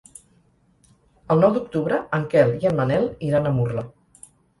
El nou d'octubre en Quel i en Manel iran a Murla.